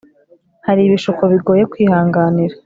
hari ibishuko bigoye kwihanganira